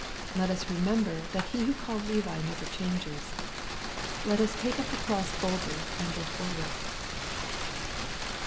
Let us remember that He who called Levi never changes. Let us take up the cross boldly, and go forward.